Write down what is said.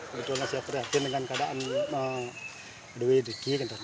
kebetulan saya berhasil dengan keadaan dewi di sini